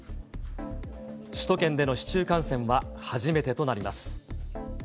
首都圏での市中感染は初めてとなります。